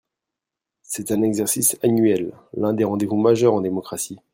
C’est un exercice annuel, l’un des rendez-vous majeurs en démocratie.